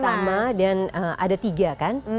pertama dan ada tiga kan